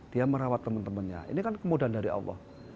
dia merawat teman temannya ini kan kemudahan dari allah